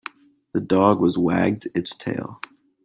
The dog was wagged its tail.